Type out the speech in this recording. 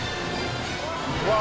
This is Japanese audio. うわ！